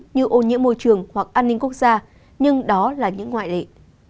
như ô nhiễm môi trường hoặc an ninh quốc gia nhưng đó là những ngoại lệ